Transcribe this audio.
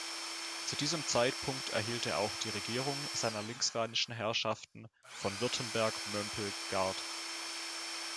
Zu diesem Zeitpunkt erhielt er auch die Regierung seiner linksrheinischen Herrschaften von Württemberg-Mömpelgard.